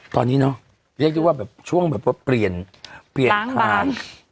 ตอนนี้เนาะเรียกถึงว่าช่วงแบบว่าเปลี่ยน